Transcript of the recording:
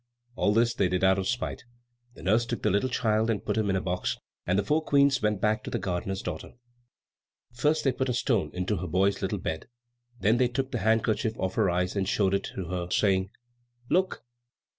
All this they did out of spite. The nurse took the little child and put him into a box, and the four Queens went back to the gardener's daughter. First they put a stone into her boy's little bed, and then they took the handkerchief off her eyes and showed it her, saying, "Look!